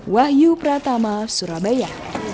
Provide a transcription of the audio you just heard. wahyu pratama surabaya